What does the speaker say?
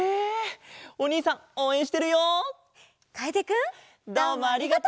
どうもありがとう！